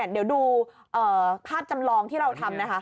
เดี๋ยวดูภาพจำลองที่เราทำนะคะ